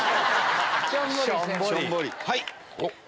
はい！